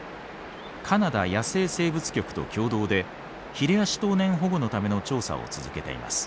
カナダ野生生物局と共同でヒレアシトウネン保護のための調査を続けています。